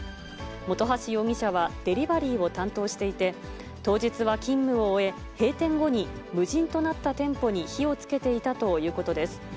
本橋容疑者はデリバリーを担当していて、当日は勤務を終え、閉店後に無人となった店舗に火をつけていたということです。